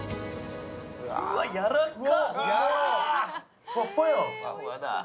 うわっ、やらか！